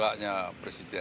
ada tim yang menyusun kabinet